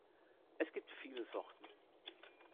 Es gibt viele Sorten.